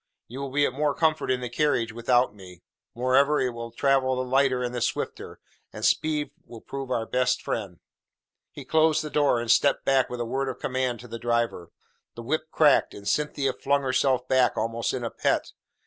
You will be at more comfort in the carriage without me. Moreover, it will travel the lighter and the swifter, and speed will prove our best friend." He closed the door, and stepped back with a word of command to the driver. The whip cracked, and Cynthia flung herself back almost in a pet.